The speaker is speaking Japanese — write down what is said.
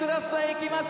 いきます